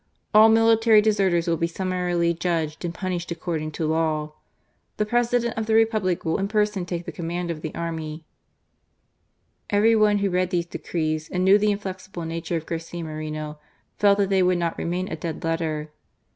All military deserters will be summarily judged and punished according to law. The President of the Republic will in person take the command of the army." i6o GARCIA MORENO. Every one who read these decrees and knew the inflexible nature of Garcia Moreno, felt that they would not remain a dead letter.